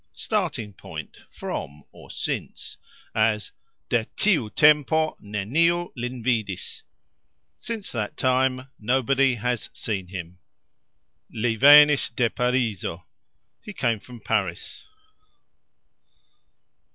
"starting point, from, since", as "De tiu tempo neniu lin vidis", (Starting) from (since) that time nobody has seen him; "Li venis de Parizo", He came from Paris.